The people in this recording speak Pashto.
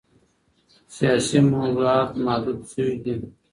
سیاسي موضوعات محدود شوي دي.